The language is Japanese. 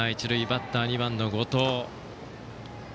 バッターは２番の後藤。